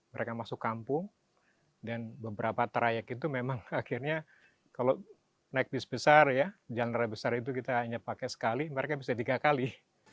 mereka masuk kampung dan beberapa trayek itu memang akhirnya kalau naik bis besar ya genre besar itu kita hanya pakai sekali mereka bisa tiga kali